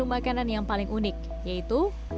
ditambah dengan indproduction ermasi opo capacitas